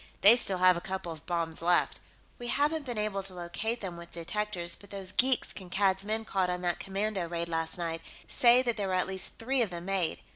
"They still have a couple of bombs left. We haven't been able to locate them with detectors, but those geeks Kankad's men caught on that commando raid, last night, say that there were at least three of them made.